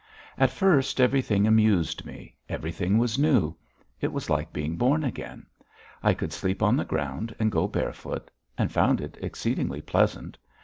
At first everything amused me, everything was new. It was like being born again. I could sleep on the ground and go barefoot and found it exceedingly pleasant.